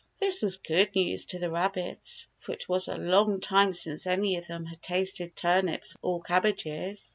This was good news to the rabbits, for it was a long time since any of them had tasted turnips or cabbages.